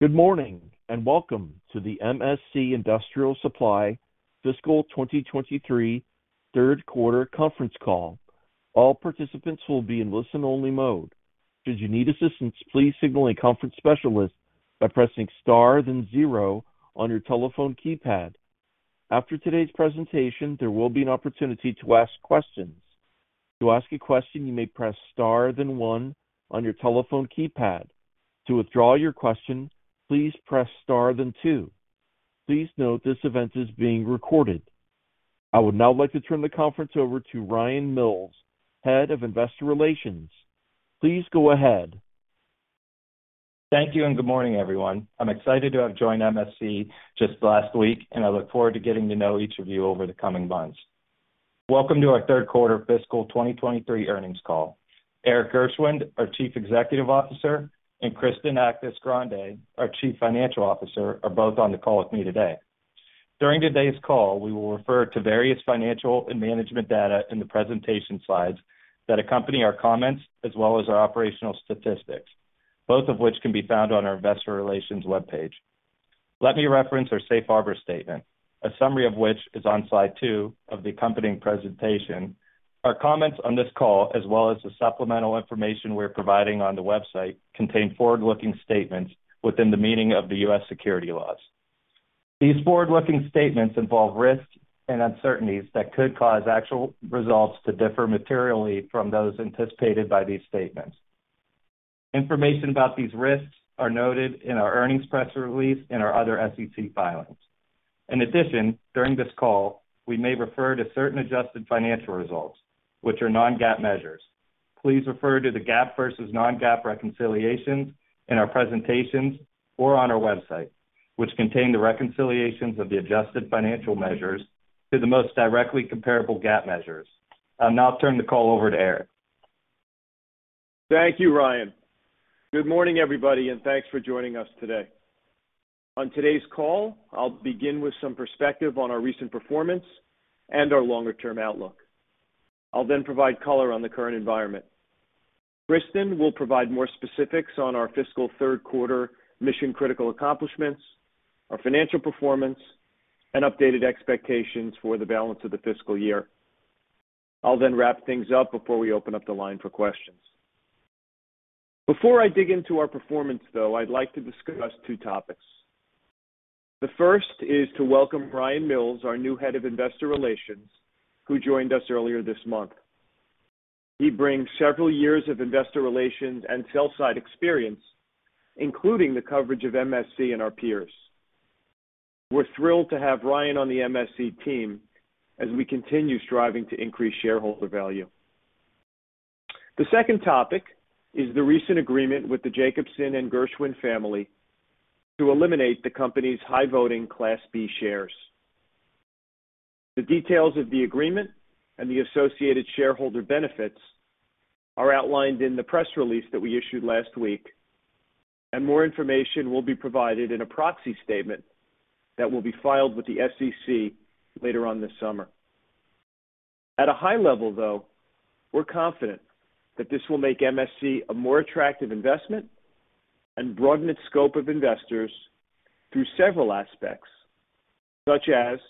Good morning, and welcome to the MSC Industrial Supply Fiscal 2023 Third Quarter Conference Call. All participants will be in listen-only mode. Should you need assistance, please signal a conference specialist by pressing star, then 0 on your telephone keypad. After today's presentation, there will be an opportunity to ask questions. To ask a question, you may press star, then one on your telephone keypad. To withdraw your question, please press star, then two. Please note, this event is being recorded. I would now like to turn the conference over to Ryan Mills, Head of Investor Relations. Please go ahead. Thank you, good morning, everyone. I'm excited to have joined MSC just last week, and I look forward to getting to know each of you over the coming months. Welcome to our third quarter fiscal 2023 earnings call. Erik Gershwind, our Chief Executive Officer, and Kristen Actis-Grande, our Chief Financial Officer, are both on the call with me today. During today's call, we will refer to various financial and management data in the presentation slides that accompany our comments, as well as our operational statistics, both of which can be found on our Investor Relations webpage. Let me reference our safe harbor statement, a summary of which is on slide two of the accompanying presentation. Our comments on this call, as well as the supplemental information we're providing on the website, contain forward-looking statements within the meaning of the U.S. security laws. These forward-looking statements involve risks and uncertainties that could cause actual results to differ materially from those anticipated by these statements. Information about these risks are noted in our earnings press release and our other SEC filings. During this call, we may refer to certain adjusted financial results, which are non-GAAP measures. Please refer to the GAAP versus non-GAAP reconciliations in our presentations or on our website, which contain the reconciliations of the adjusted financial measures to the most directly comparable GAAP measures. I'll now turn the call over to Erik. Thank you, Ryan. Good morning, everybody. Thanks for joining us today. On today's call, I'll begin with some perspective on our recent performance and our longer-term outlook. I'll provide color on the current environment. Kristen will provide more specifics on our fiscal third quarter mission-critical accomplishments, our financial performance, and updated expectations for the balance of the fiscal year. I'll wrap things up before we open up the line for questions. Before I dig into our performance, though, I'd like to discuss two topics. The first is to welcome Ryan Mills, our new Head of Investor Relations, who joined us earlier this month. He brings several years of investor relations and sell-side experience, including the coverage of MSC and our peers. We're thrilled to have Ryan on the MSC team as we continue striving to increase shareholder value. The second topic is the recent agreement with the Jacobson and Gershwind family to eliminate the company's high-voting Class B shares. The details of the agreement and the associated shareholder benefits are outlined in the press release that we issued last week. More information will be provided in a proxy statement that will be filed with the SEC later on this summer. At a high level, though, we're confident that this will make MSC a more attractive investment and broaden its scope of investors through several aspects, such as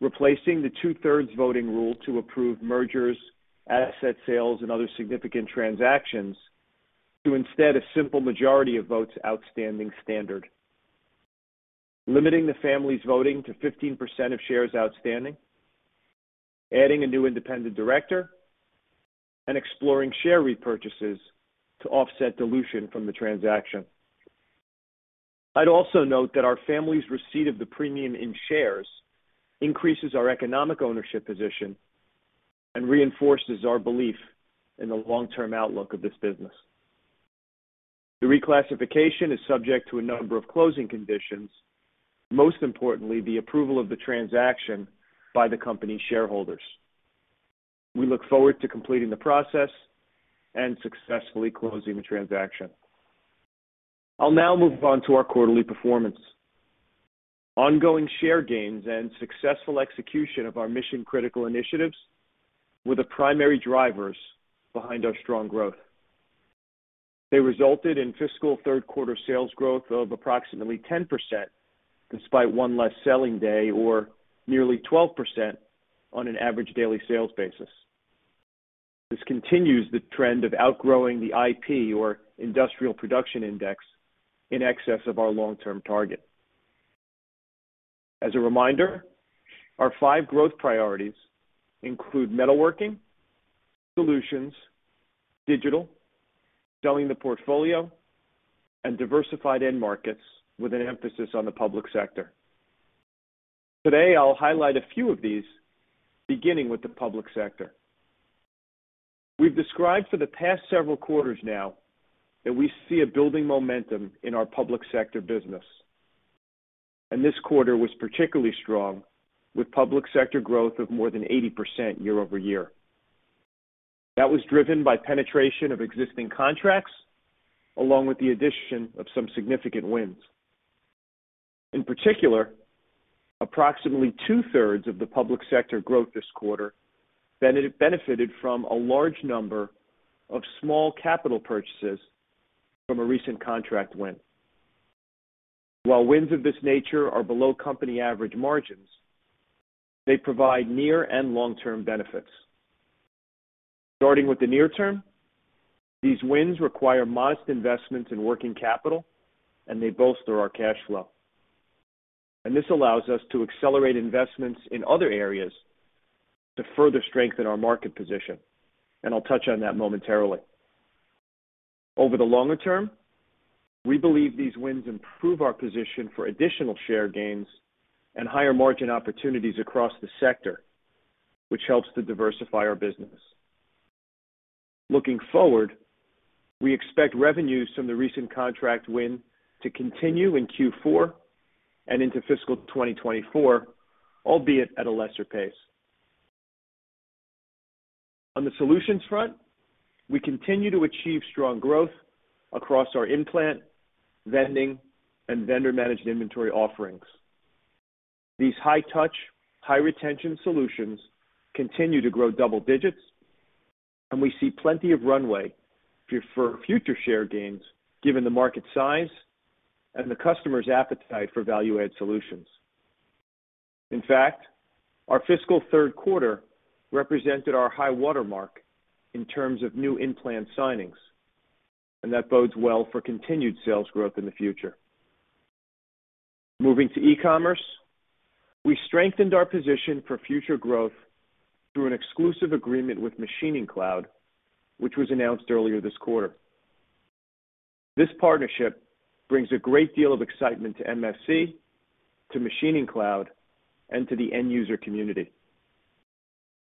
replacing the 2/3 voting rule to approve mergers, asset sales, and other significant transactions to instead a simple majority of votes outstanding standard, limiting the family's voting to 15% of shares outstanding, adding a new independent director, and exploring share repurchases to offset dilution from the transaction. I'd also note that our family's receipt of the premium in shares increases our economic ownership position and reinforces our belief in the long-term outlook of this business. The reclassification is subject to a number of closing conditions, most importantly, the approval of the transaction by the company's shareholders. We look forward to completing the process and successfully closing the transaction. I'll now move on to our quarterly performance. Ongoing share gains and successful execution of our mission-critical initiatives were the primary drivers behind our strong growth. They resulted in fiscal third quarter sales growth of approximately 10%, despite one less selling day, or nearly 12% on an average daily sales basis. This continues the trend of outgrowing the IP, or Industrial Production Index, in excess of our long-term target. As a reminder, our five growth priorities include metalworking, solutions, digital, selling the portfolio, and diversified end markets, with an emphasis on the Public Sector. Today, I'll highlight a few of these, beginning with the Public Sector. We've described for the past several quarters now that we see a building momentum in our Public Sector business. This quarter was particularly strong, with Public Sector growth of more than 80% year-over-year. That was driven by penetration of existing contracts, along with the addition of some significant wins. In particular, approximately 2/3 of the Public Sector growth this quarter benefited from a large number of small capital purchases from a recent contract win. While wins of this nature are below company average margins, they provide near and long-term benefits. Starting with the near term, these wins require modest investments in working capital. They bolster our cash flow. This allows us to accelerate investments in other areas to further strengthen our market position, and I'll touch on that momentarily. Over the longer term, we believe these wins improve our position for additional share gains and higher margin opportunities across the sector, which helps to diversify our business. Looking forward, we expect revenues from the recent contract win to continue in Q4 and into fiscal 2024, albeit at a lesser pace. On the solutions front, we continue to achieve strong growth across our In-Plant, Vending, and Vendor-Managed Inventory offerings. These high-touch, high-retention solutions continue to grow double-digits, and we see plenty of runway for future share gains, given the market size and the customer's appetite for value-added solutions. In fact, our fiscal third quarter represented our high watermark in terms of new In-Plant signings. That bodes well for continued sales growth in the future. Moving to e-commerce, we strengthened our position for future growth through an exclusive agreement with MachiningCloud, which was announced earlier this quarter. This partnership brings a great deal of excitement to MSC, to MachiningCloud, and to the end user community.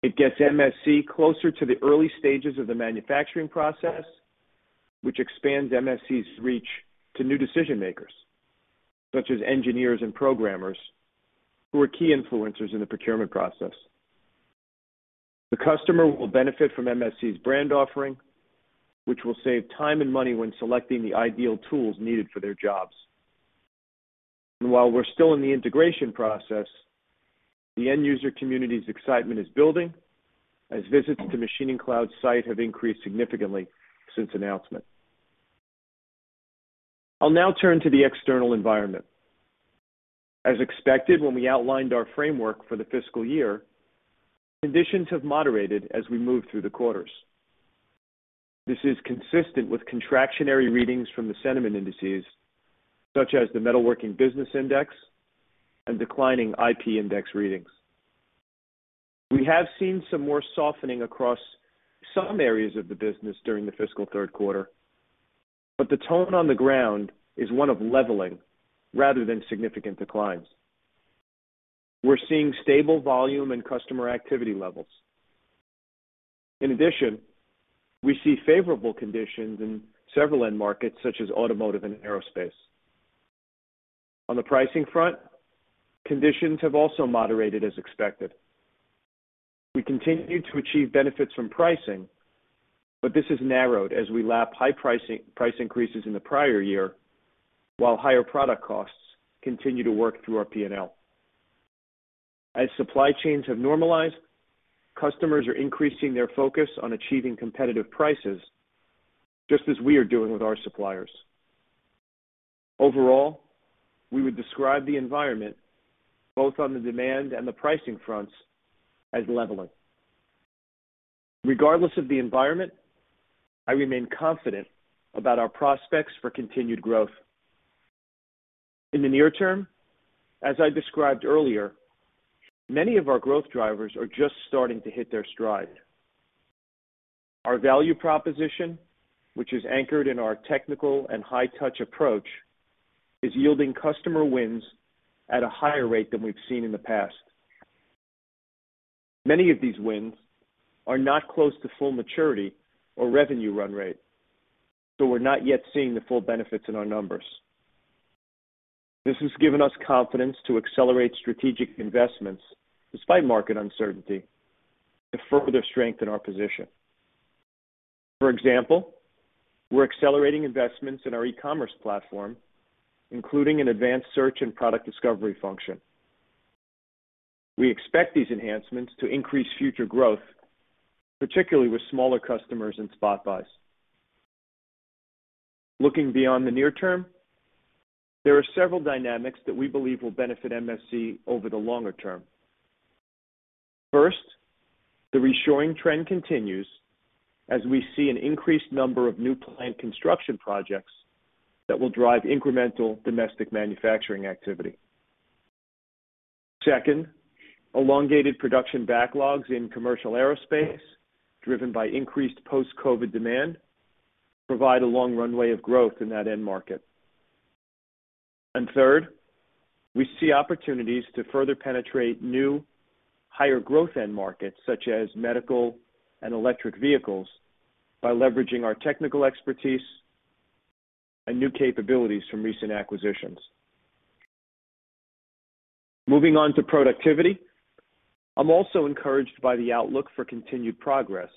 It gets MSC closer to the early stages of the manufacturing process, which expands MSC's reach to new decision makers, such as engineers and programmers, who are key influencers in the procurement process. The customer will benefit from MSC's brand offering, which will save time and money when selecting the ideal tools needed for their jobs. While we're still in the integration process, the end user community's excitement is building as visits to MachiningCloud's site have increased significantly since announcement. I'll now turn to the external environment. As expected, when we outlined our framework for the fiscal year, conditions have moderated as we move through the quarters. This is consistent with contractionary readings from the sentiment indices, such as the Metalworking Business Index and declining IP Index readings. We have seen some more softening across some areas of the business during the fiscal third quarter, but the tone on the ground is one of leveling rather than significant declines. We're seeing stable volume and customer activity levels. We see favorable conditions in several end markets, such as automotive and aerospace. On the pricing front, conditions have also moderated as expected. We continue to achieve benefits from pricing, but this has narrowed as we lap high price increases in the prior year, while higher product costs continue to work through our P&L. As supply chains have normalized, customers are increasing their focus on achieving competitive prices, just as we are doing with our suppliers. Overall, we would describe the environment, both on the demand and the pricing fronts, as leveling. Regardless of the environment, I remain confident about our prospects for continued growth. In the near term, as I described earlier, many of our growth drivers are just starting to hit their stride. Our value proposition, which is anchored in our technical and high-touch approach, is yielding customer wins at a higher rate than we've seen in the past. Many of these wins are not close to full maturity or revenue run rate, so we're not yet seeing the full benefits in our numbers. This has given us confidence to accelerate strategic investments despite market uncertainty, to further strengthen our position. For example, we're accelerating investments in our e-commerce platform, including an advanced search and product discovery function. We expect these enhancements to increase future growth, particularly with smaller customers and spot buys. Looking beyond the near term, there are several dynamics that we believe will benefit MSC over the longer term. First, the reshoring trend continues as we see an increased number of new plant construction projects that will drive incremental domestic manufacturing activity. Second, elongated production backlogs in commercial aerospace, driven by increased post-COVID demand, provide a long runway of growth in that end market. Third, we see opportunities to further penetrate new, higher growth end markets, such as medical and electric vehicles, by leveraging our technical expertise and new capabilities from recent acquisitions. Moving on to productivity. I'm also encouraged by the outlook for continued progress,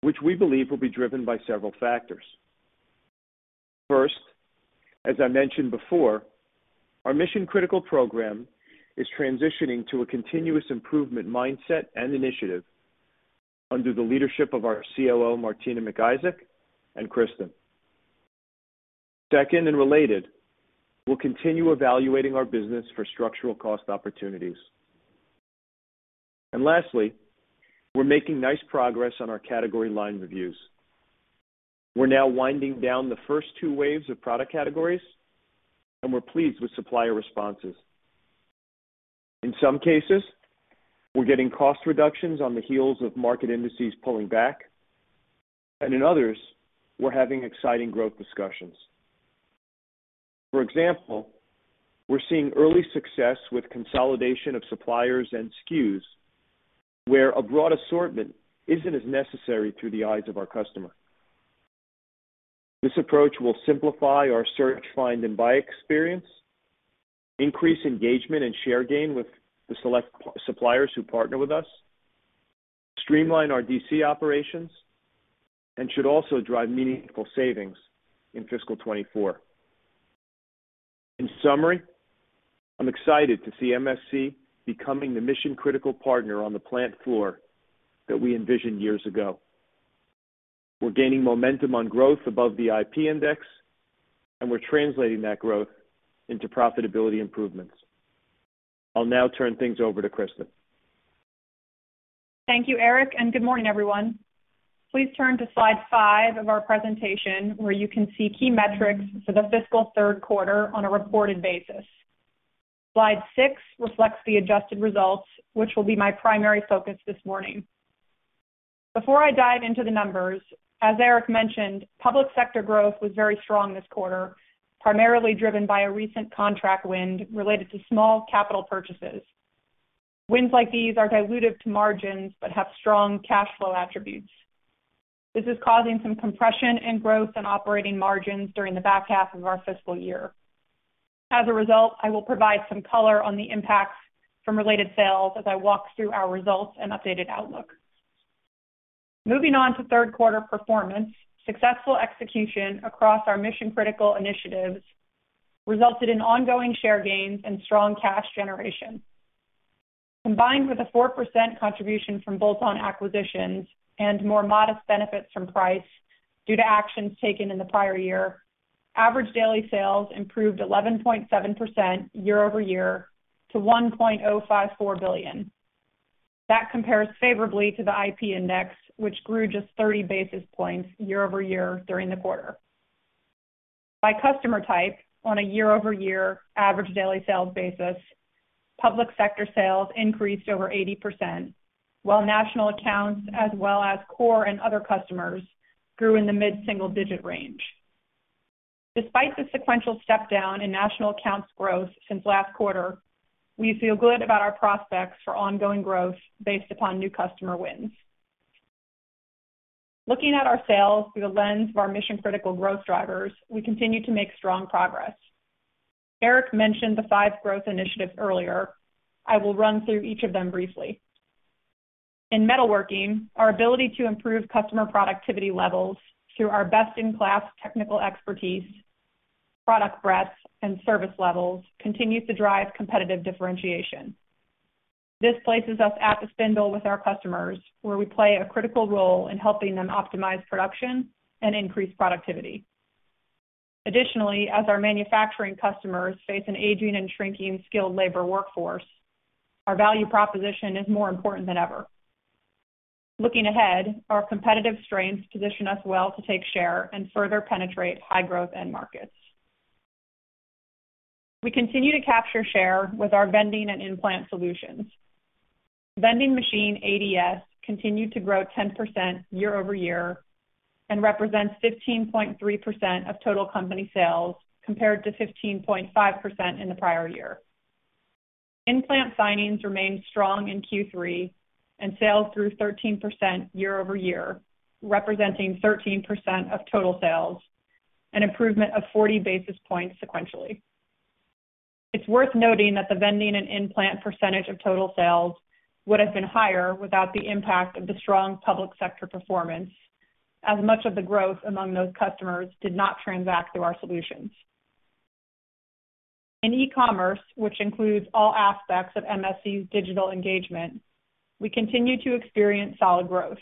which we believe will be driven by several factors. First, as I mentioned before, our mission-critical program is transitioning to a continuous improvement mindset and initiative under the leadership of our COO, Martina McIsaac and Kristen. Second, and related, we'll continue evaluating our business for structural cost opportunities. Lastly, we're making nice progress on our category line reviews. We're now winding down the first two waves of product categories, and we're pleased with supplier responses. In some cases, we're getting cost reductions on the heels of market indices pulling back, and in others, we're having exciting growth discussions. For example, we're seeing early success with consolidation of suppliers and SKUs, where a broad assortment isn't as necessary through the eyes of our customer. This approach will simplify our search, find, and buy experience, increase engagement and share gain with the select suppliers who partner with us, streamline our DC operations, should also drive meaningful savings in fiscal 2024. In summary, I'm excited to see MSC becoming the mission-critical partner on the plant floor that we envisioned years ago. We're gaining momentum on growth above the IP index, we're translating that growth into profitability improvements. I'll now turn things over to Kristen. Thank you, Erik, good morning, everyone. Please turn to slide five of our presentation, where you can see key metrics for the fiscal third quarter on a reported basis. Slide six reflects the adjusted results, which will be my primary focus this morning. Before I dive into the numbers, as Erik mentioned, Public Sector growth was very strong this quarter, primarily driven by a recent contract win related to small capital purchases. Wins like these are dilutive to margins, have strong cash flow attributes. This is causing some compression in growth and operating margins during the back half of our fiscal year. As a result, I will provide some color on the impacts from related sales as I walk through our results and updated outlook. Moving on to third quarter performance, successful execution across our mission-critical initiatives resulted in ongoing share gains and strong cash generation. Combined with a 4% contribution from bolt-on acquisitions and more modest benefits from price due to actions taken in the prior year, average daily sales improved 11.7% year-over-year to $1.054 billion. That compares favorably to the IP Index, which grew just 30 basis points year-over-year during the quarter. By customer type, on a year-over-year average daily sales basis, Public Sector sales increased over 80%, while national accounts, as well as core and other customers, grew in the mid-single digit range. Despite the sequential step down in national accounts growth since last quarter, we feel good about our prospects for ongoing growth based upon new customer wins. Looking at our sales through the lens of our mission-critical growth drivers, we continue to make strong progress. Erik mentioned the five growth initiatives earlier. I will run through each of them briefly. In Metalworking, our ability to improve customer productivity levels through our best-in-class technical expertise, product breadth, and service levels continues to drive competitive differentiation. This places us at the spindle with our customers, where we play a critical role in helping them optimize production and increase productivity. Additionally, as our manufacturing customers face an aging and shrinking skilled labor workforce, our value proposition is more important than ever. Looking ahead, our competitive strengths position us well to take share and further penetrate high-growth end markets. We continue to capture share with our Vending and In-Plant solutions. Vending machine ADS continued to grow 10% year-over-year and represents 15.3% of total company sales, compared to 15.5% in the prior year. In-Plant signings remained strong in Q3 and sales grew 13% year-over-year, representing 13% of total sales, an improvement of 40 basis points sequentially. It's worth noting that the Vending and In-Plant percentage of total sales would have been higher without the impact of the strong Public Sector performance, as much of the growth among those customers did not transact through our solutions. In e-commerce, which includes all aspects of MSC's digital engagement, we continue to experience solid growth.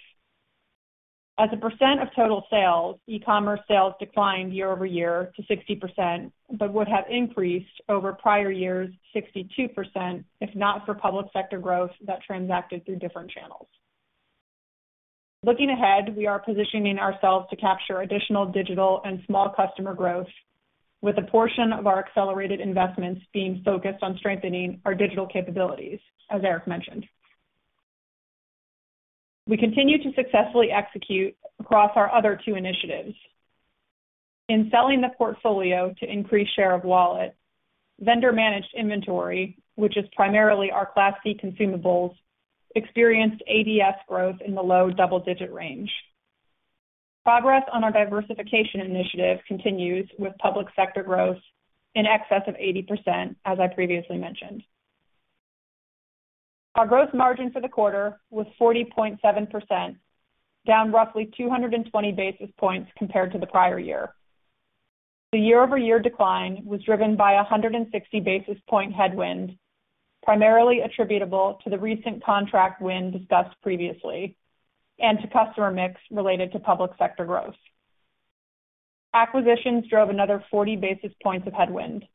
As a percent of total sales, e-commerce sales declined year-over-year to 60%, but would have increased over prior years, 62%, if not for Public Sector growth that transacted through different channels. Looking ahead, we are positioning ourselves to capture additional digital and small customer growth with a portion of our accelerated investments being focused on strengthening our digital capabilities, as Erik mentioned. We continue to successfully execute across our other two initiatives. In selling the portfolio to increase share of wallet, Vendor-Managed Inventory, which is primarily our Class C consumables, experienced ADS growth in the low double-digit range. Progress on our diversification initiative continues with Public Sector growth in excess of 80%, as I previously mentioned. Our growth margin for the quarter was 40.7%, down roughly 220 basis points compared to the prior year. The year-over-year decline was driven by a 160 basis point headwind, primarily attributable to the recent contract win discussed previously, and to customer mix related to Public Sector growth. Acquisitions drove another 40 basis points of headwind.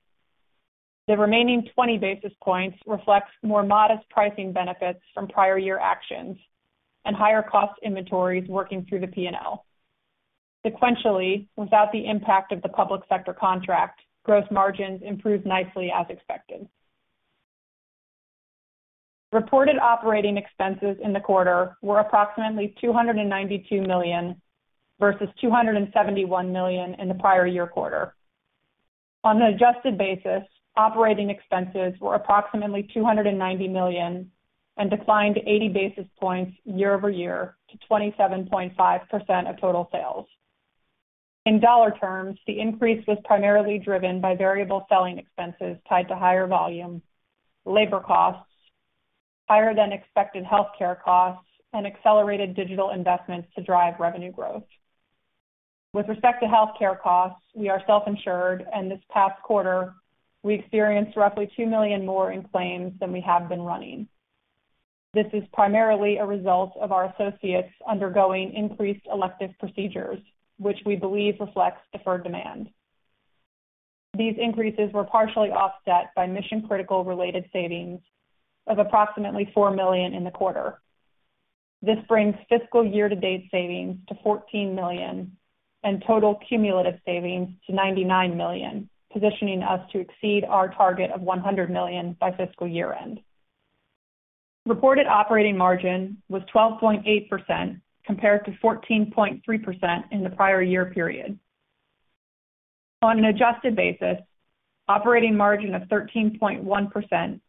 The remaining 20 basis points reflects more modest pricing benefits from prior year actions and higher cost inventories working through the P&L. Sequentially, without the impact of the Public Sector contract, gross margins improved nicely as expected. Reported operating expenses in the quarter were approximately $292 million, versus $271 million in the prior year quarter. On an adjusted basis, operating expenses were approximately $290 million and declined 80 basis points year-over-year to 27.5% of total sales. In dollar terms, the increase was primarily driven by variable selling expenses tied to higher volume, labor costs, higher than expected healthcare costs, and accelerated digital investments to drive revenue growth. With respect to healthcare costs, we are self-insured, and this past quarter, we experienced roughly $2 million more in claims than we have been running. This is primarily a result of our associates undergoing increased elective procedures, which we believe reflects deferred demand. These increases were partially offset by mission-critical related savings of approximately $4 million in the quarter. This brings fiscal year-to-date savings to $14 million and total cumulative savings to $99 million, positioning us to exceed our target of $100 million by fiscal year-end. Reported operating margin was 12.8%, compared to 14.3% in the prior year period. On an adjusted basis, operating margin of 13.1%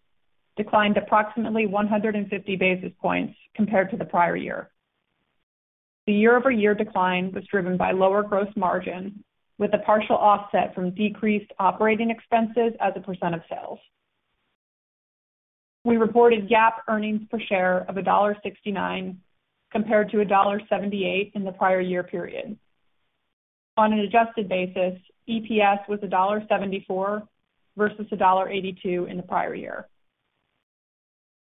declined approximately 150 basis points compared to the prior year. The year-over-year decline was driven by lower gross margin, with a partial offset from decreased operating expenses as a % of sales. We reported GAAP earnings per share of $1.69, compared to $1.78 in the prior year period. On an adjusted basis, EPS was $1.74, versus $1.82 in the prior year.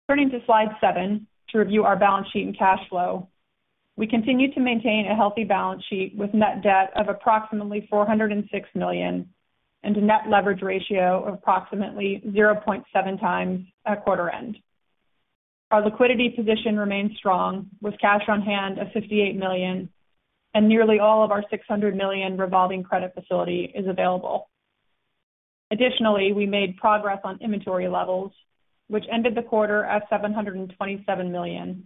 Turning to slide seven, to review our balance sheet and cash flow, we continue to maintain a healthy balance sheet with net debt of approximately $406 million, and a net leverage ratio of approximately 0.7x at quarter end. Our liquidity position remains strong, with cash on hand of $58 million and nearly all of our $600 million revolving credit facility is available. Additionally, we made progress on inventory levels, which ended the quarter at $727 million,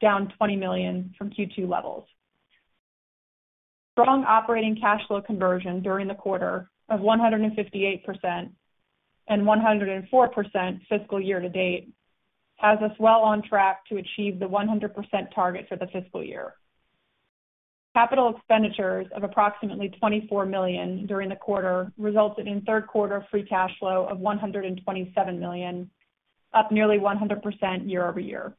down $20 million from Q2 levels. Strong operating cash flow conversion during the quarter of 158% and 104% fiscal year-to-date, has us well on track to achieve the 100% target for the fiscal year. Capital expenditures of approximately $24 million during the quarter resulted in third quarter free cash flow of $127 million, up nearly 100% year-over-year.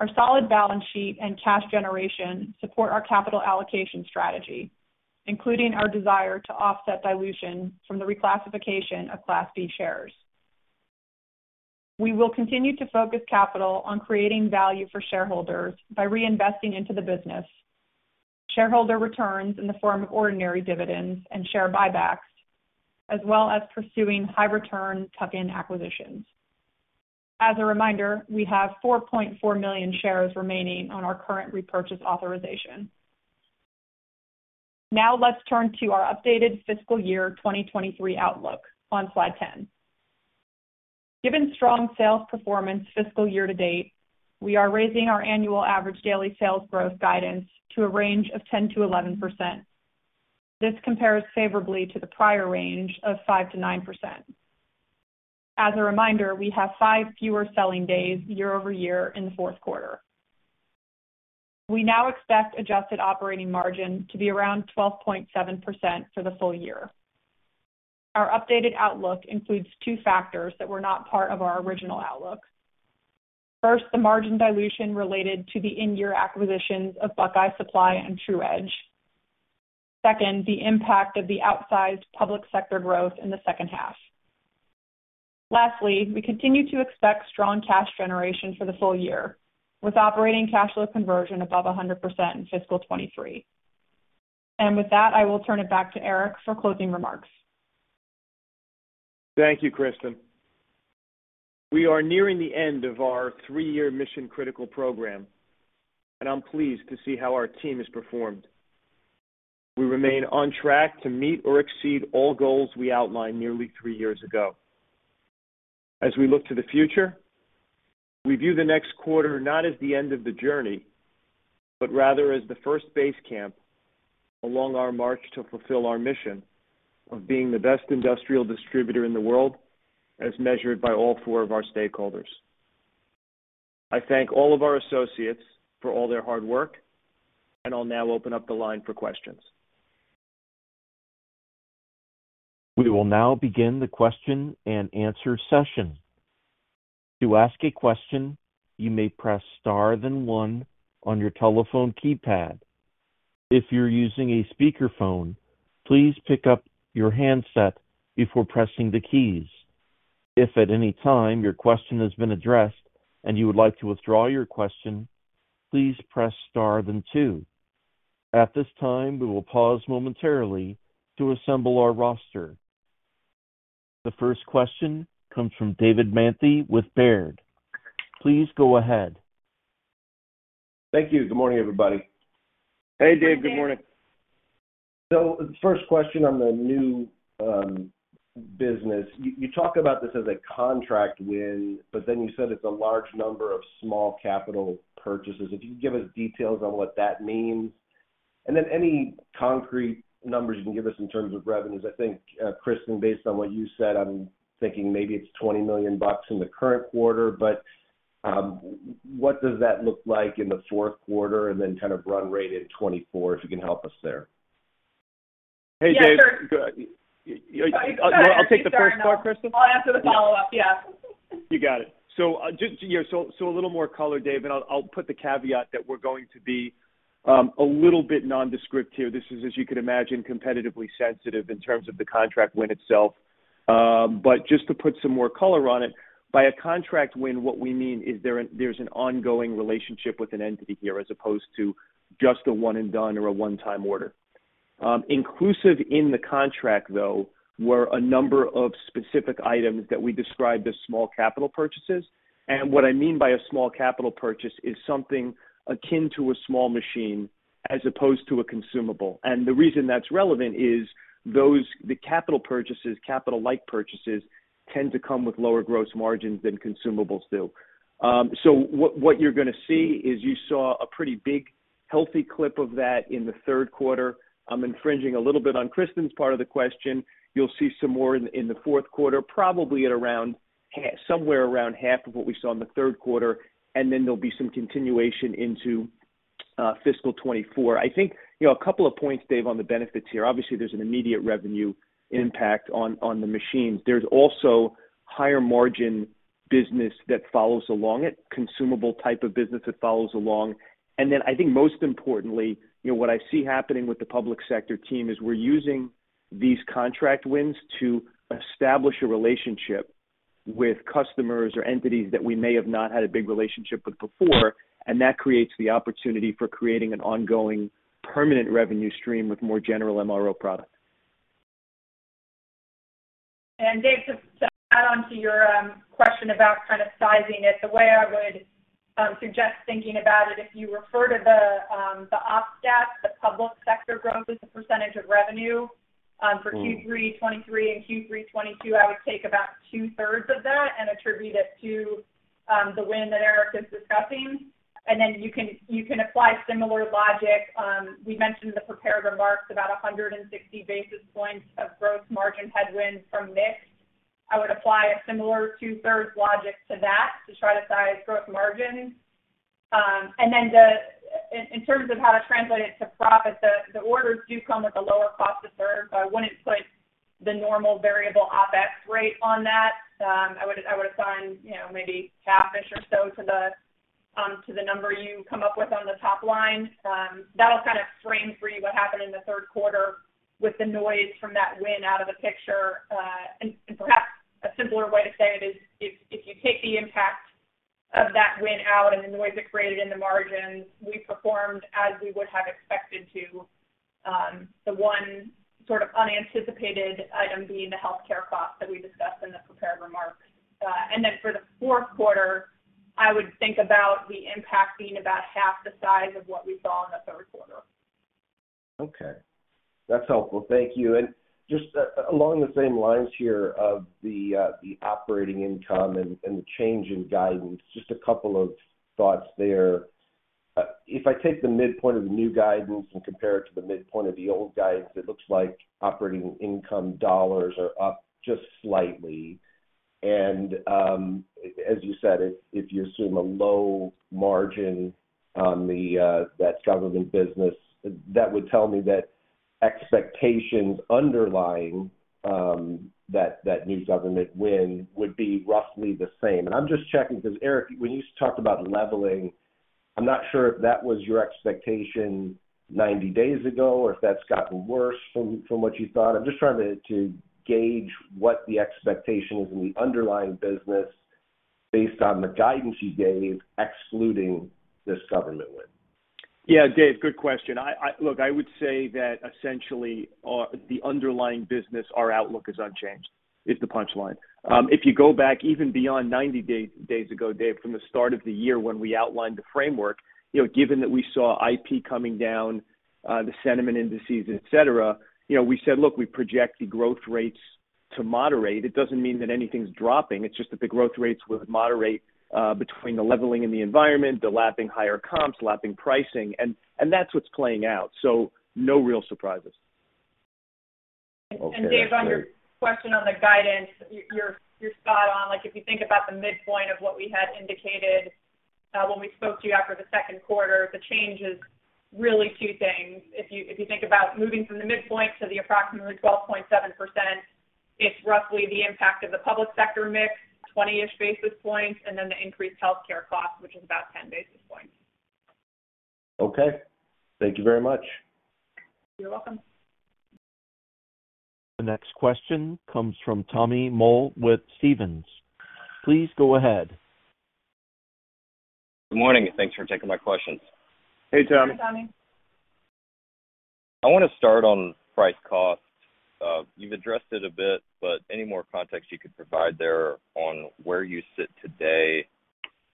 Our solid balance sheet and cash generation support our capital allocation strategy, including our desire to offset dilution from the reclassification of Class B shares. We will continue to focus capital on creating value for shareholders by reinvesting into the business, shareholder returns in the form of ordinary dividends and share buybacks, as well as pursuing high return tuck-in acquisitions. As a reminder, we have 4.4 million shares remaining on our current repurchase authorization. Let's turn to our updated fiscal year 2023 outlook on slide 10. Given strong sales performance fiscal year to date, we are raising our annual average daily sales growth guidance to a range of 10%-11%. This compares favorably to the prior range of 5%-9%. As a reminder, we have five fewer selling days year-over-year in the fourth quarter. We now expect adjusted operating margin to be around 12.7% for the full year. Our updated outlook includes two factors that were not part of our original outlook. First, the margin dilution related to the in-year acquisitions of Buckeye Supply and Tru-Edge. Second, the impact of the outsized Public Sector growth in the second half. Lastly, we continue to expect strong cash generation for the full year, with operating cash flow conversion above 100% in fiscal 2023. With that, I will turn it back to Erik for closing remarks. Thank you, Kristen. We are nearing the end of our three-year mission-critical program, and I'm pleased to see how our team has performed. We remain on track to meet or exceed all goals we outlined nearly three years ago. As we look to the future, we view the next quarter not as the end of the journey, but rather as the first base camp along our march to fulfill our mission of being the best industrial distributor in the world, as measured by all four of our stakeholders. I thank all of our associates for all their hard work, and I'll now open up the line for questions. We will now begin the question and answer session. To ask a question, you may press star then one on your telephone keypad. If you're using a speakerphone, please pick up your handset before pressing the keys. If at any time your question has been addressed and you would like to withdraw your question, please press star then two. At this time, we will pause momentarily to assemble our roster. The first question comes from David Manthey with Baird. Please go ahead. Thank you. Good morning, everybody. Hey, Dave. Good morning. First question on the new business. You talk about this as a contract win, but then you said it's a large number of small capital purchases. If you could give us details on what that means, and then any concrete numbers you can give us in terms of revenues. I think Kristen, based on what you said, I'm thinking maybe it's $20 million in the current quarter, but, what does that look like in the fourth quarter? Kind of run rate in 2024, if you can help us there. Hey, Dave. Yeah, sure. I'll take the first part, Kristen. I'll answer the follow-up. Yeah. You got it. Just, yeah, a little more color, Dave, I'll put the caveat that we're going to be a little bit nondescript here. This is, as you can imagine, competitively sensitive in terms of the contract win itself. Just to put some more color on it, by a contract win, what we mean is there's an ongoing relationship with an entity here, as opposed to just a one and done or a one-time order. Inclusive in the contract, though, were a number of specific items that we described as small capital purchases. What I mean by a small capital purchase is something akin to a small machine as opposed to a consumable. The reason that's relevant is those the capital purchases, capital-like purchases, tend to come with lower gross margins than consumables do. What, what you're gonna see is you saw a pretty big, healthy clip of that in the third quarter. I'm infringing a little bit on Kristen's part of the question. You'll see some more in the fourth quarter, probably at around somewhere around half of what we saw in the third quarter, and then there'll be some continuation into fiscal 2024. I think, you know, a couple of points, Dave, on the benefits here. Obviously, there's an immediate revenue impact on the machines. There's also higher margin business that follows along it, consumable type of business that follows along. I think most importantly, you know, what I see happening with the Public Sector team is we're using these contract wins to establish a relationship with customers or entities that we may have not had a big relationship with before, and that creates the opportunity for creating an ongoing permanent revenue stream with more general MRO products. Dave, just to add on to your question about kind of sizing it, the way I would suggest thinking about it, if you refer to the Op Stats, the Public Sector growth as a percentage of revenue, for Q3 2023 and Q3 2022, I would take about 2/3 of that and attribute it to the win that Erik is discussing. Then you can apply similar logic. We mentioned in the prepared remarks about 160 basis points of gross margin headwind from mix. I would apply a similar 2/3 logic to that to try to size gross margin. Then in terms of how to translate it to profit, the orders do come with a lower cost to serve. I wouldn't put the normal variable OpEx rate on that. I would, I would assign, you know, maybe half-ish or so to the number you come up with on the top line. That'll kind of frame for you what happened in the third quarter with the noise from that win out of the picture. Perhaps a simpler way to say it is, if you take the impact of that win out and the noise it created in the margins, we performed as we would have expected to, the one sort of unanticipated item being the healthcare costs that we discussed in the prepared remarks. Then for the fourth quarter, I would think about the impact being about half the size of what we saw in the third quarter. Okay. That's helpful. Thank you. Just along the same lines here of the operating income and the change in guidance, just a couple of thoughts there. If I take the midpoint of the new guidance and compare it to the midpoint of the old guidance, it looks like operating income dollars are up just slightly. As you said, if you assume a low margin on the government business, that would tell me that expectations underlying that new government win would be roughly the same. I'm just checking, because, Erik, when you talked about leveling, I'm not sure if that was your expectation 90 days ago or if that's gotten worse from what you thought. I'm just trying to gauge what the expectation is in the underlying business based on the guidance you gave, excluding this government win. Yeah, Dave, good question. I look, I would say that essentially, the underlying business, our outlook is unchanged, is the punchline. If you go back even beyond 90 days ago, Dave, from the start of the year when we outlined the framework, you know, given that we saw IP coming down, the sentiment indices, et cetera, you know, we said, look, we project the growth rates to moderate. It doesn't mean that anything's dropping, it's just that the growth rates would moderate between the leveling in the environment, the lapping higher comps, lapping pricing, and that's what's playing out. No real surprises. Dave, on your question on the guidance, you're spot on. Like, if you think about the midpoint of what we had indicated, when we spoke to you after the second quarter, the change is really two things. If you think about moving from the midpoint to the approximately 12.7%, it's roughly the impact of the Public Sector mix, 20-ish basis points, and then the increased healthcare costs, which is about 10 basis points. Okay, thank you very much. You're welcome. The next question comes from Tommy Moll with Stephens. Please go ahead. Good morning. Thanks for taking my questions. Hey, Tommy. Hi, Tommy. I want to start on price costs. You've addressed it a bit, but any more context you could provide there on where you sit today,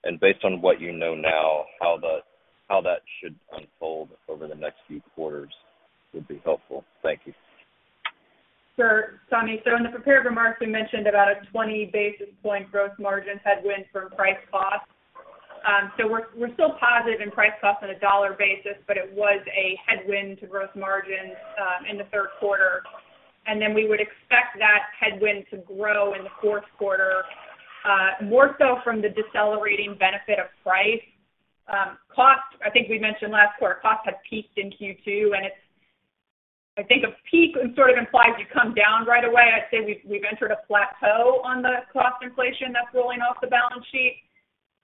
and based on what you know now, how that should unfold over the next few quarters would be helpful. Thank you. Sure, Tommy. In the prepared remarks, we mentioned about a 20 basis point growth margin headwind for price costs. We're still positive in price costs on a dollar basis, but it was a headwind to growth margins in the third quarter. We would expect that headwind to grow in the fourth quarter, more so from the decelerating benefit of price. Cost, I think we mentioned last quarter, costs had peaked in Q2, and it's. I think a peak sort of implies you come down right away. I'd say we've entered a plateau on the cost inflation that's rolling off the balance sheet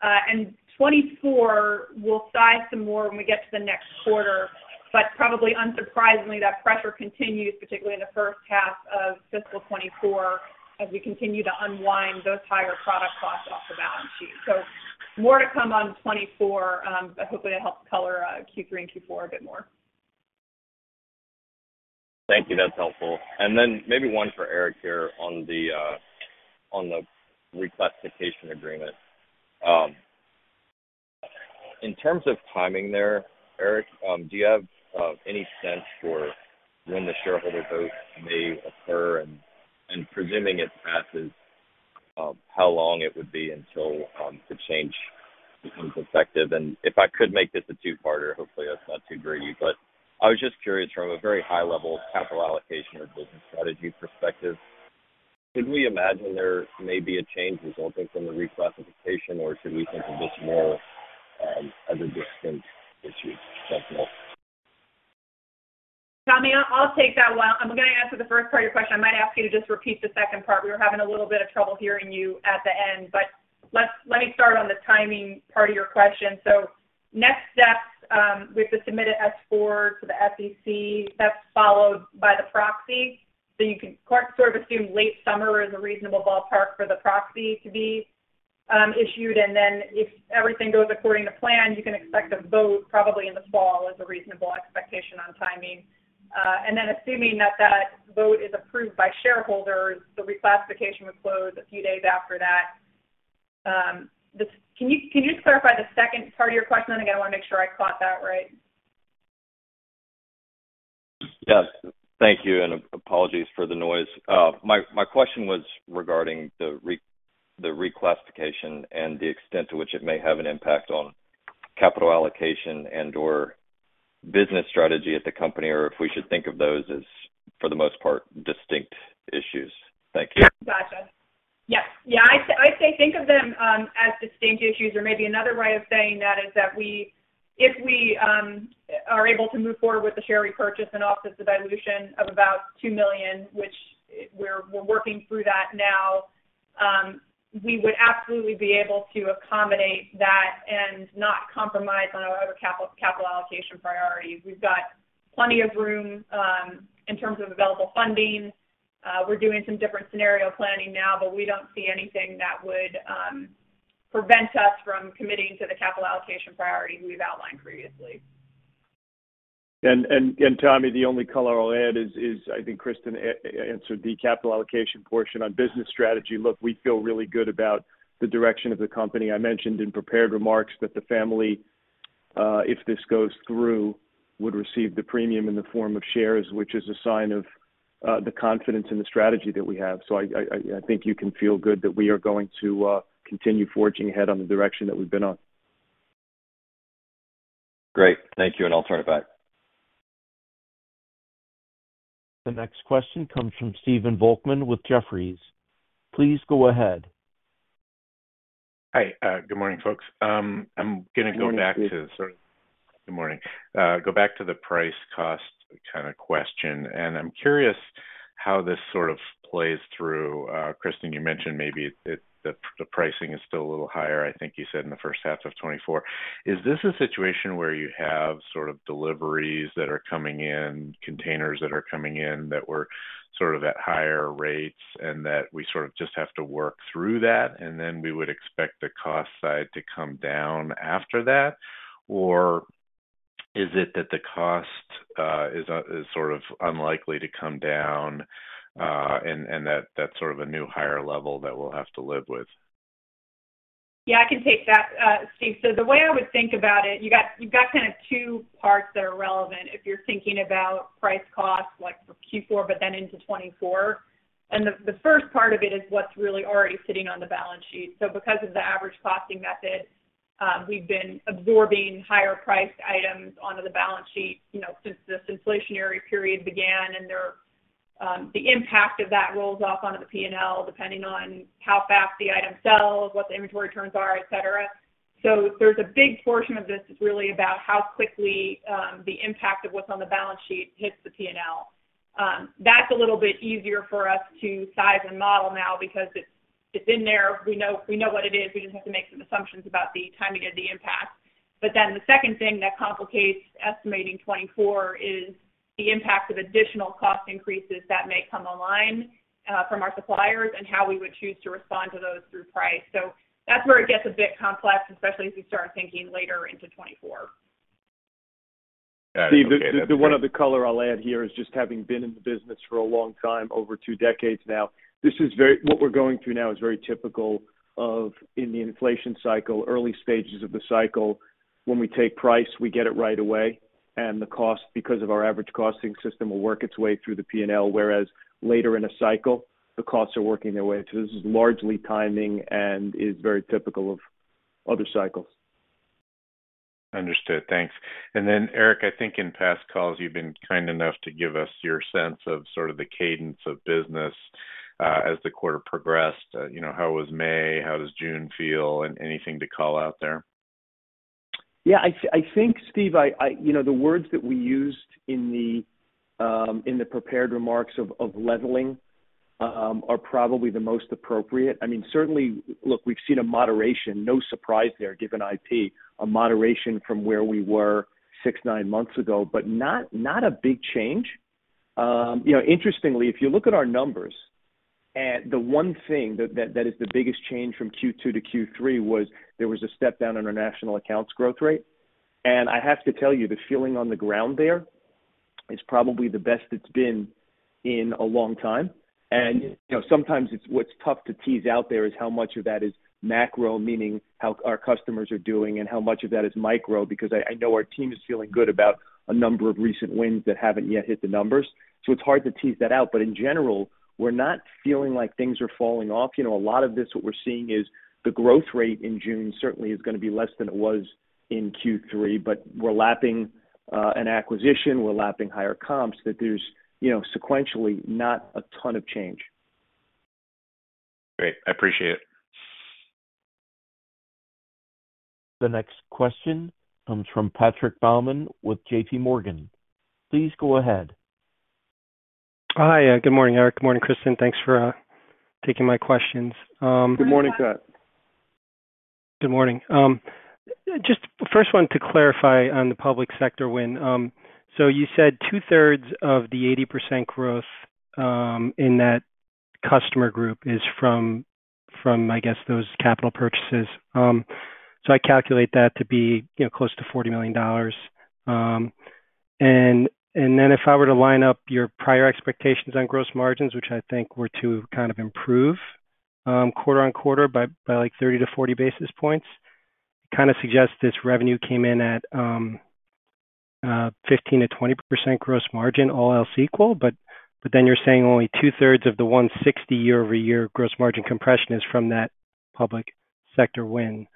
and 2024, we'll size some more when we get to the next quarter, but probably unsurprisingly, that pressure continues, particularly in the first half of fiscal 2024, as we continue to unwind those higher product costs off the balance sheet. More to come on 2024. Hopefully, that helps color Q3 and Q4 a bit more. Thank you. That's helpful. Then maybe one for Erik here on the reclassification agreement. In terms of timing there, Erik, do you have any sense for when the shareholder vote may occur? Presuming it passes, how long it would be until the change becomes effective? If I could make this a two-parter, hopefully, that's not too greedy. I was just curious, from a very high level of capital allocation or business strategy perspective, could we imagine there may be a change resulting from the reclassification, or should we think of this more as a distinct issue? Thanks a lot. Tommy, I'll take that one. I'm gonna answer the first part of your question. I might ask you to just repeat the second part. We were having a little bit of trouble hearing you at the end. Let me start on the timing part of your question. Next steps, we have to submit an S-4 to the SEC. That's followed by the proxy. You can sort of assume late summer is a reasonable ballpark for the proxy to be issued. If everything goes according to plan, you can expect a vote probably in the fall as a reasonable expectation on timing. Assuming that vote is approved by shareholders, the reclassification would close a few days after that. Can you just clarify the second part of your question? Again, I want to make sure I caught that right. Yes. Thank you, apologies for the noise. My question was regarding the reclassification and the extent to which it may have an impact on capital allocation and/or business strategy at the company, or if we should think of those as, for the most part, distinct issues. Thank you. Gotcha. Yes. I'd say think of them as distinct issues, or maybe another way of saying that is that if we are able to move forward with the share repurchase and offset the dilution of about $2 million, which we're working through that now, we would absolutely be able to accommodate that and not compromise on our other capital allocation priorities. We've got plenty of room in terms of available funding. We're doing some different scenario planning now, we don't see anything that would prevent us from committing to the capital allocation priorities we've outlined previously. Tommy, the only color I'll add is I think Kristen answered the capital allocation portion. On business strategy, look, we feel really good about the direction of the company. I mentioned in prepared remarks that the family, if this goes through, would receive the premium in the form of shares, which is a sign of the confidence in the strategy that we have. I think you can feel good that we are going to continue forging ahead on the direction that we've been on. Great. Thank you. I'll turn it back. The next question comes from Stephen Volkmann with Jefferies. Please go ahead. Hi. Good morning, folks. I'm gonna go back to. Good morning. Good morning. Go back to the price cost kind of question, and I'm curious how this sort of plays through. Kristen, you mentioned maybe the pricing is still a little higher, I think you said in the first half of 2024. Is this a situation where you have sort of deliveries that are coming in, containers that are coming in, that were sort of at higher rates, and that we sort of just have to work through that, and then we would expect the cost side to come down after that? Or is it that the cost is sort of unlikely to come down, and that that's sort of a new, higher level that we'll have to live with? Yeah, I can take that, Steve. The way I would think about it, you've got kind of two parts that are relevant if you're thinking about price costs, like for Q4, but then into 2024. The first part of it is what's really already sitting on the balance sheet. Because of the average costing method, we've been absorbing higher priced items onto the balance sheet, you know, since this inflationary period began, and there, the impact of that rolls off onto the P&L, depending on how fast the item sells, what the inventory terms are, et cetera. There's a big portion of this is really about how quickly, the impact of what's on the balance sheet hits the P&L. That's a little bit easier for us to size and model now because it's in there. We know what it is. We just have to make some assumptions about the timing of the impact. The second thing that complicates estimating 2024 is the impact of additional cost increases that may come online from our suppliers and how we would choose to respond to those through price. That's where it gets a bit complex, especially as you start thinking later into 2024. Steve, the one other color I'll add here is just having been in the business for a long time, over two decades now, what we're going through now is very typical of in the inflation cycle, early stages of the cycle. When we take price, we get it right away, and the cost, because of our average costing system, will work its way through the P&L, whereas later in a cycle, the costs are working their way. This is largely timing and is very typical of other cycles. Understood. Thanks. Erik, I think in past calls, you've been kind enough to give us your sense of sort of the cadence of business as the quarter progressed. You know, how was May? How does June feel? Anything to call out there? Yeah, I think, Steve, I... You know, the words that we used in the prepared remarks of leveling are probably the most appropriate. I mean, certainly, look, we've seen a moderation. No surprise there, given IP, a moderation from where we were six, nine months ago, but not a big change. You know, interestingly, if you look at our numbers and the one thing that is the biggest change from Q2 to Q3 was there was a step down on our national accounts growth rate. I have to tell you, the feeling on the ground there is probably the best it's been in a long time. You know, sometimes it's what's tough to tease out there is how much of that is macro, meaning how our customers are doing, and how much of that is micro, because I know our team is feeling good about a number of recent wins that haven't yet hit the numbers. It's hard to tease that out. In general, we're not feeling like things are falling off. You know, a lot of this, what we're seeing is the growth rate in June certainly is gonna be less than it was in Q3, but we're lapping an acquisition, we're lapping higher comps, that there's, you know, sequentially, not a ton of change. Great. I appreciate it. The next question comes from Patrick Baumann with JPMorgan. Please go ahead. Hi. Good morning, Erik. Good morning, Kristen. Thanks for taking my questions. Good morning, Pat. Good morning. Just first one, to clarify on the Public Sector win. You said 2/3 of the 80% growth in that customer group is from, I guess, those capital purchases. If I were to line up your prior expectations on gross margins, which I think were to kind of improve quarter-over-quarter by, like, 30 to 40 basis points, it kinda suggests this revenue came in at 15%-20% gross margin, all else equal. You're saying only 2/3 of the 160 year-over-year gross margin compression is from that Public Sector win.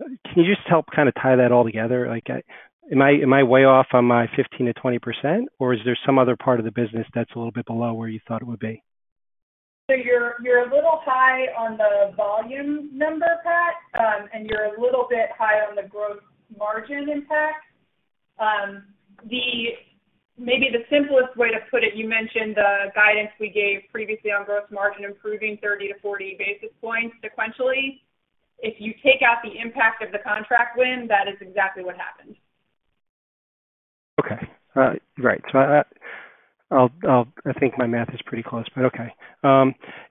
Can you just help kinda tie that all together? Like, am I way off on my 15%-20%, or is there some other part of the business that's a little bit below where you thought it would be? You're a little high on the volume number, Pat, and you're a little bit high on the gross margin impact. Maybe the simplest way to put it, you mentioned the guidance we gave previously on gross margin improving 30 to 40 basis points sequentially. If you take out the impact of the contract win, that is exactly what happened. Right. I'll think my math is pretty close, but okay.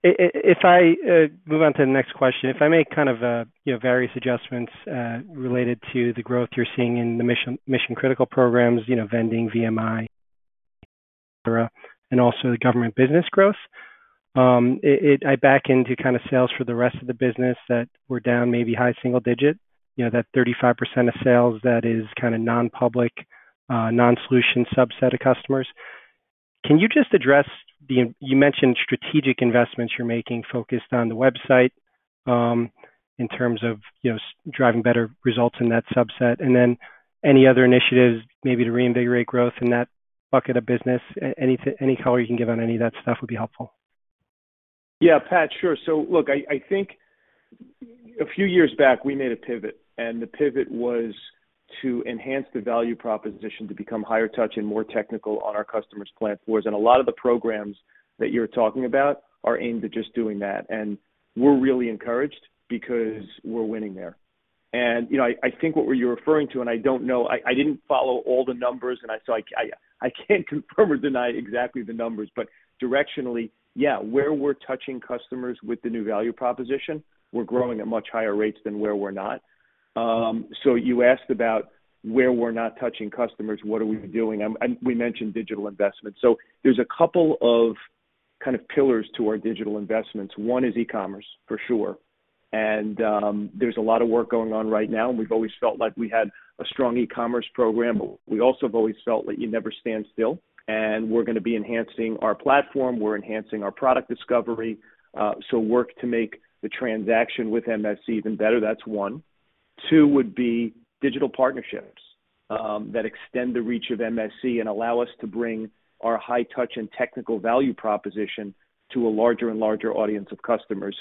If I move on to the next question, if I make kind of, you know, various adjustments related to the growth you're seeing in the mission-critical programs, you know, Vending, VMI, et cetera, and also the government business growth, I back into kind of sales for the rest of the business that were down maybe high single-digit, you know, that 35% of sales that is kinda non-public, non-solution subset of customers. Can you just address the... You mentioned strategic investments you're making focused on the website, in terms of, you know, driving better results in that subset, and then any other initiatives maybe to reinvigorate growth in that bucket of business? Any color you can give on any of that stuff would be helpful. Yeah, Pat, sure. Look, I think a few years back, we made a pivot, and the pivot was to enhance the value proposition to become higher touch and more technical on our customers' plant floors. A lot of the programs that you're talking about are aimed at just doing that. We're really encouraged because we're winning there. You know, I think what you're referring to, and I don't know, I didn't follow all the numbers, and so I can't confirm or deny exactly the numbers, but directionally, yeah, where we're touching customers with the new value proposition, we're growing at much higher rates than where we're not. You asked about where we're not touching customers, what are we doing? We mentioned digital investments. There's a couple of kind of pillars to our digital investments. One is e-commerce, for sure. There's a lot of work going on right now, and we've always felt like we had a strong e-commerce program, but we also have always felt that you never stand still, and we're gonna be enhancing our platform, we're enhancing our product discovery. Work to make the transaction with MSC even better. That's one. two would be digital partnerships that extend the reach of MSC and allow us to bring our high touch and technical value proposition to a larger and larger audience of customers.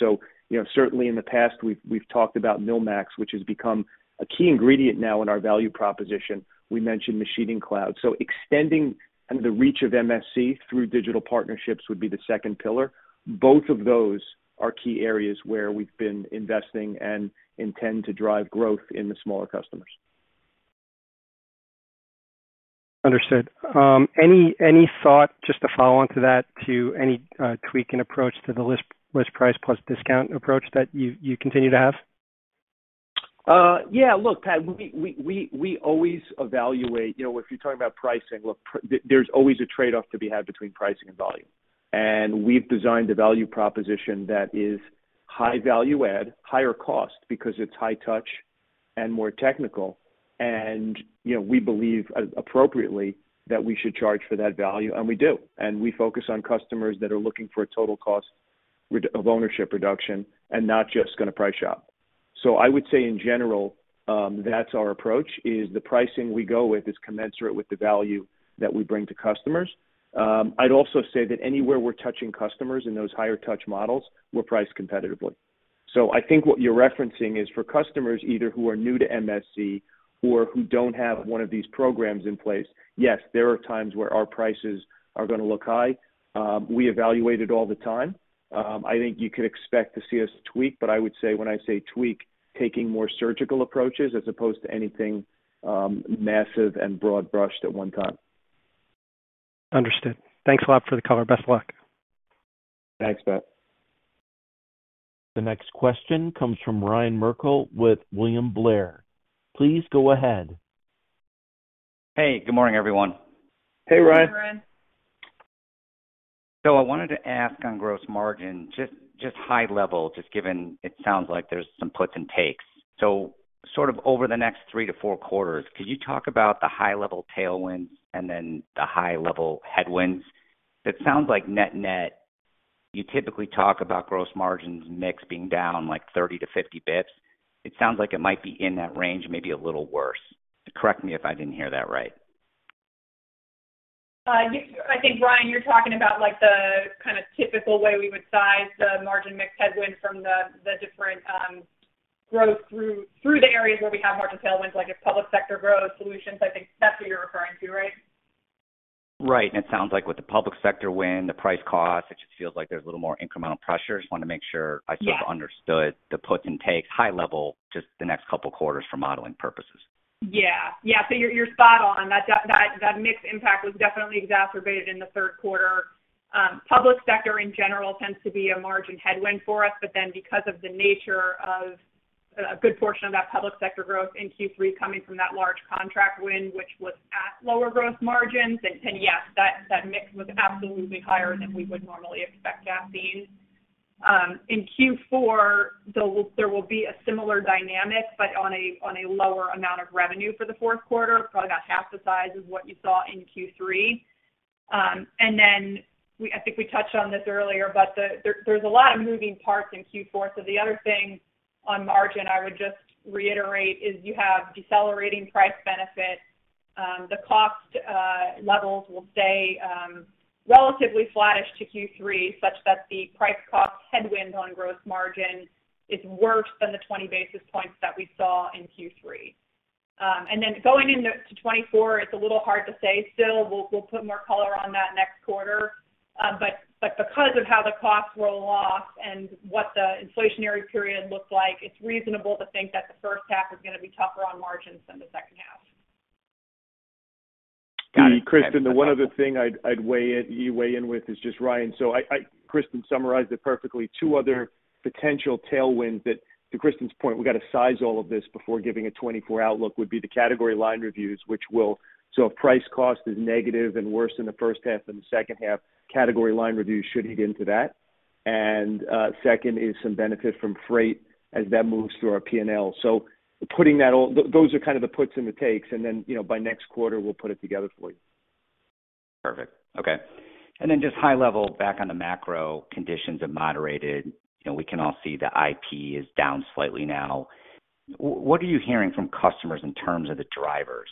You know, certainly in the past, we've talked about MillMax, which has become a key ingredient now in our value proposition. We mentioned MachiningCloud. Extending the reach of MSC through digital partnerships would be the second pillar. Both of those are key areas where we've been investing and intend to drive growth in the smaller customers. Understood. Any thought, just to follow on to that, to any tweaking approach to the list price plus discount approach that you continue to have? Yeah, look, Pat, we always evaluate. You know, if you're talking about pricing, look, there's always a trade-off to be had between pricing and volume. We've designed a value proposition that is high value add, higher cost, because it's high touch and more technical. You know, we believe, appropriately, that we should charge for that value, and we do. We focus on customers that are looking for a total cost of ownership reduction and not just gonna price shop. I would say in general, that's our approach, is the pricing we go with is commensurate with the value that we bring to customers. I'd also say that anywhere we're touching customers in those higher touch models, we're priced competitively. I think what you're referencing is for customers either who are new to MSC or who don't have one of these programs in place, yes, there are times where our prices are gonna look high. We evaluate it all the time. I think you could expect to see us tweak, but I would say, when I say tweak, taking more surgical approaches as opposed to anything massive and broad-brushed at one time. Understood. Thanks a lot for the color. Best luck. Thanks, Pat. The next question comes from Ryan Merkel with William Blair. Please go ahead. Hey, good morning, everyone. Hey, Ryan. I wanted to ask on gross margin, just high level, just given it sounds like there's some puts and takes. Sort of over the next three to four quarters, could you talk about the high-level tailwinds and then the high-level headwinds? It sounds like net-net, you typically talk about gross margins mix being down, like, 30 to 50 bps. It sounds like it might be in that range, maybe a little worse. Correct me if I didn't hear that right. I think, Ryan, you're talking about, like, the kinda typical way we would size the margin mix headwind from the different growth through the areas where we have margin tailwinds, like if Public Sector growth, solutions. I think that's what you're referring to, right? Right. It sounds like with the Public Sector wind, the price cost, it just feels like there's a little more incremental pressure. Just want to make sure. Yeah I sort of understood the puts and takes, high level, just the next couple of quarters for modeling purposes. Yeah. Yeah. You're, you're spot on. That mix impact was definitely exacerbated in the third quarter. Public Sector in general tends to be a margin headwind for us, because of the nature of a good portion of that Public Sector growth in Q3 coming from that large contract win, which was at lower growth margins, yes, that mix was absolutely higher than we would normally expect that being. In Q4, there will be a similar dynamic, but on a lower amount of revenue for the fourth quarter, probably about half the size of what you saw in Q3. I think we touched on this earlier, but the, there's a lot of moving parts in Q4. The other thing on margin, I would just reiterate, is you have decelerating price benefit. The cost levels will stay relatively flat-ish to Q3, such that the price cost headwind on gross margin is worse than the 20 basis points that we saw in Q3. Going into 2024, it's a little hard to say still. We'll put more color on that next quarter. Because of how the costs roll off and what the inflationary period looks like, it's reasonable to think that the first half is gonna be tougher on margins than the second half. Got it. Kristen, the one other thing I'd weigh in with is just Ryan. Kristen summarized it perfectly. Two other potential tailwinds that, to Kristen's point, we've got to size all of this before giving a 2024 outlook, would be the category line reviews, which will. If price cost is negative and worse in the first half than the second half, category line reviews should hit into that. Second is some benefit from freight as that moves through our P&L. Putting that all, those are kind of the puts and the takes, and then, you know, by next quarter, we'll put it together for you. Perfect. Okay. Just high level back on the macro, conditions have moderated. You know, we can all see the IP is down slightly now. What are you hearing from customers in terms of the drivers?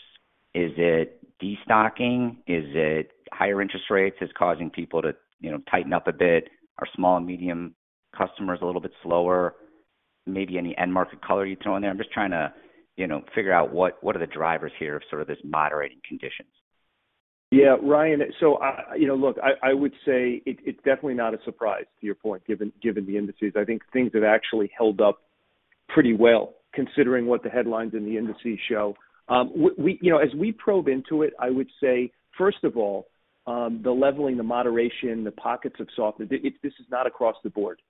Is it destocking? Is it higher interest rates is causing people to, you know, tighten up a bit? Are small and medium customers a little bit slower? Maybe any end market color you'd throw in there. I'm just trying to, you know, figure out what are the drivers here of sort of this moderating conditions. Yeah, Ryan, you know, look, I would say it's definitely not a surprise, to your point, given the indices. I think things have actually held up pretty well, considering what the headlines in the indices show. You know, as we probe into it, I would say, first of all, the leveling, the moderation, the pockets of softness, this is not across the board,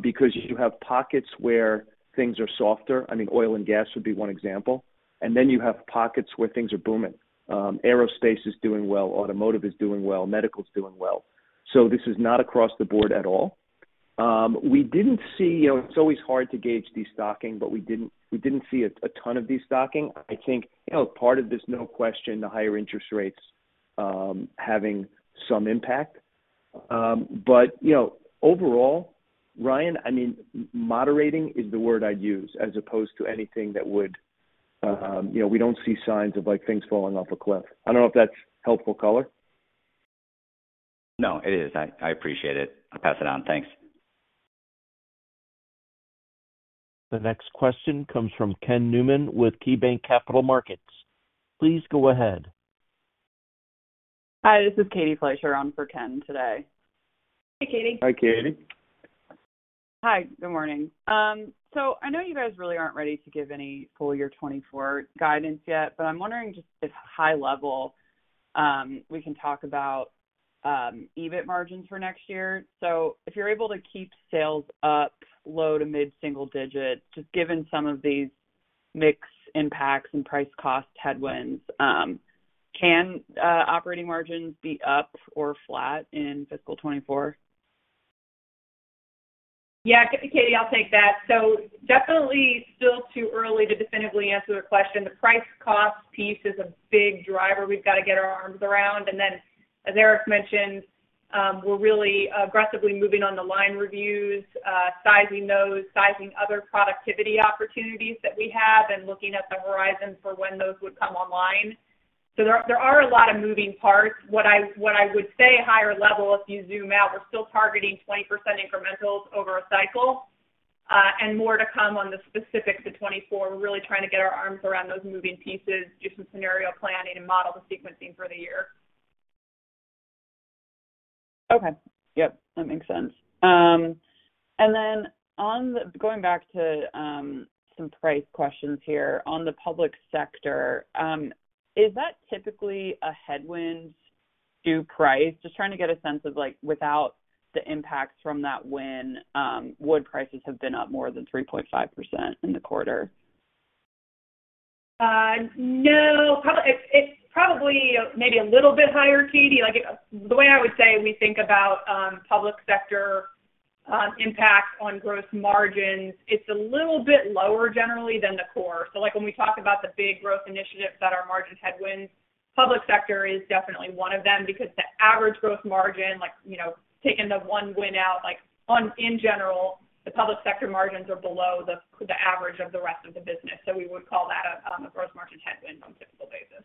because you have pockets where things are softer. I mean, oil and gas would be one example. You have pockets where things are booming. Aerospace is doing well, automotive is doing well, medical is doing well. This is not across the board at all. We didn't see, you know, it's always hard to gauge destocking, we didn't see a ton of destocking. I think, you know, part of this, no question, the higher interest rates, having some impact. You know, overall, Ryan, I mean, moderating is the word I'd use as opposed to anything that would, you know, we don't see signs of, like, things falling off a cliff. I don't know if that's helpful color. No, it is. I appreciate it. I'll pass it on. Thanks. The next question comes from Ken Newman with KeyBanc Capital Markets. Please go ahead. Hi, this is Katie Fleischer on for Ken today. Hey, Katie. Hi, Katie. Hi. Good morning. I know you guys really aren't ready to give any full year 2024 guidance yet, but I'm wondering just if high-level we can talk about EBIT margins for next year. If you're able to keep sales up low to mid-single digit, just given some of these mix impacts and price cost headwinds, can operating margins be up or flat in fiscal 2024? Yeah, Katie, I'll take that. Definitely still too early to definitively answer the question. The price cost piece is a big driver we've got to get our arms around, and then, as Erik mentioned, we're really aggressively moving on the line reviews, sizing those, sizing other productivity opportunities that we have, and looking at the horizon for when those would come online. There are a lot of moving parts. What I, what I would say, higher level, if you zoom out, we're still targeting 20% incrementals over a cycle, and more to come on the specifics of 2024. We're really trying to get our arms around those moving pieces, do some scenario planning and model the sequencing for the year. Okay. Yep, that makes sense. Going back to some price questions here. On the Public Sector, is that typically a headwind to price? Just trying to get a sense of, like, without the impacts from that win, would prices have been up more than 3.5% in the quarter? No. It's probably maybe a little bit higher, Katie. Like, the way I would say we think about Public Sector impact on gross margins, it's a little bit lower generally than the core. Like, when we talk about the big growth initiatives that are margin headwinds, Public Sector is definitely one of them because the average growth margin, like, you know, taking the one win out, on, in general, the Public Sector margins are below the average of the rest of the business. We would call that a gross margin headwind on a typical basis.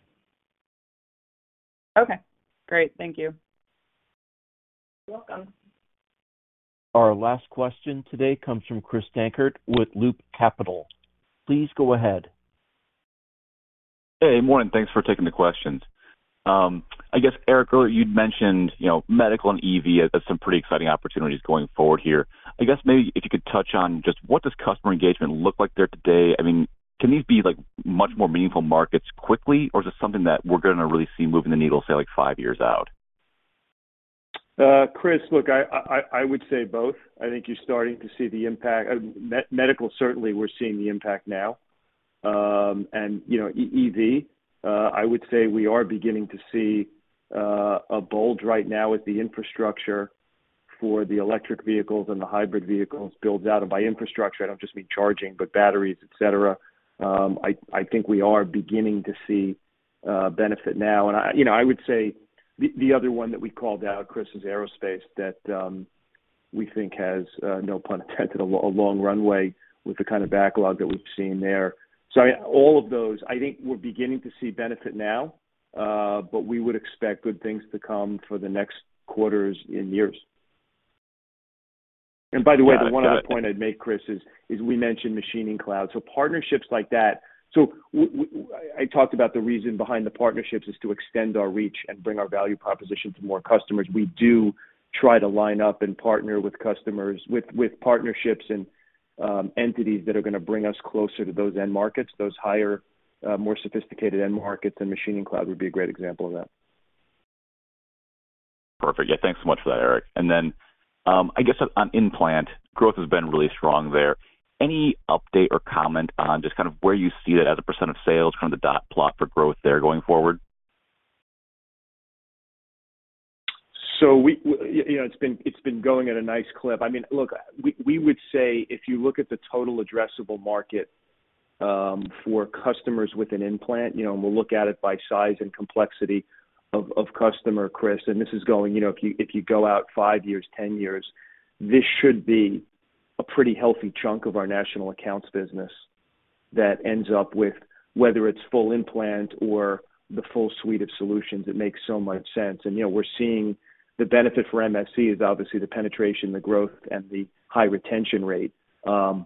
Okay, great. Thank you. You're welcome. Our last question today comes from Chris Dankert with Loop Capital. Please go ahead. Hey, morning. Thanks for taking the questions. Erik, earlier you'd mentioned, you know, medical and EV as some pretty exciting opportunities going forward here. Maybe if you could touch on just what does customer engagement look like there today? Can these be, like, much more meaningful markets quickly, or is this something that we're gonna really see moving the needle, say, like, five years out? Chris, look, I, I would say both. I think you're starting to see the impact. Medical, certainly we're seeing the impact now. You know, EV, I would say we are beginning to see a bulge right now with the infrastructure for the electric vehicles and the hybrid vehicles builds out. By infrastructure, I don't just mean charging, but batteries, et cetera. I think we are beginning to see benefit now. I... You know, I would say the other one that we called out, Chris, is aerospace, that we think has, no pun intended, a long runway with the kind of backlog that we've seen there. All of those, I think we're beginning to see benefit now, but we would expect good things to come for the next quarters and years. Got it. By the way, the one other point I'd make, Chris, is we mentioned MachiningCloud. Partnerships like that. I talked about the reason behind the partnerships is to extend our reach and bring our value proposition to more customers. We do try to line up and partner with customers, with partnerships and entities that are gonna bring us closer to those end markets, those higher, more sophisticated end markets, and MachiningCloud would be a great example of that. Perfect. Yeah, thanks so much for that, Erik. I guess on In-Plant, growth has been really strong there. Any update or comment on just kind of where you see that as a percent of sales, kind of the dot plot for growth there going forward? We, you know, it's been going at a nice clip. I mean, look, we would say if you look at the total addressable market, for customers with an In-Plant, you know, we'll look at it by size and complexity of customer, Chris, this is going, you know, if you go out five years, 10 years, this should be a pretty healthy chunk of our national accounts business that ends up with whether it's full In-Plant or the full suite of solutions, it makes so much sense. You know, we're seeing the benefit for MSC is obviously the penetration, the growth, and the high retention rate.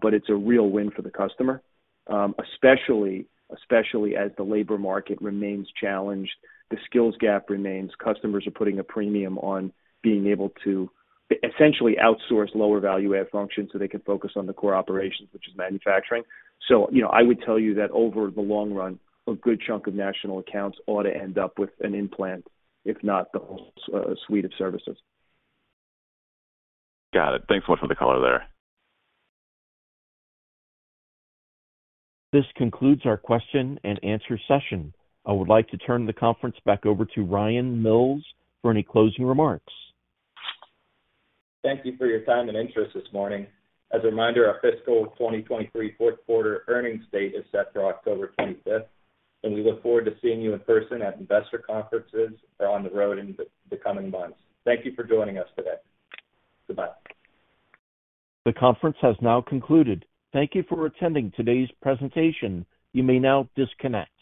It's a real win for the customer, especially as the labor market remains challenged, the skills gap remains. Customers are putting a premium on being able to essentially outsource lower value add functions, so they can focus on the core operations, which is manufacturing. You know, I would tell you that over the long run, a good chunk of national accounts ought to end up with an In-Plant, if not the whole, suite of services. Got it. Thanks so much for the color there. This concludes our question and answer session. I would like to turn the conference back over to Ryan Mills for any closing remarks. Thank you for your time and interest this morning. As a reminder, our fiscal 2023 fourth quarter earnings date is set for October 25th, we look forward to seeing you in person at investor conferences or on the road in the coming months. Thank you for joining us today. Goodbye. The conference has now concluded. Thank you for attending today's presentation. You may now disconnect.